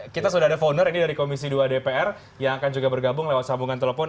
kita sudah ada founder ini dari komisi dua dpr yang akan juga bergabung lewat sambungan telepon